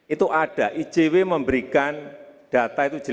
itu ada icw memberikan data itu jelas